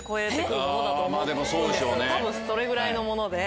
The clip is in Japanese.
多分それぐらいのもので。